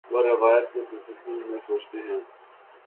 وہ روایت کے تسلسل میں سوچتے ہیں۔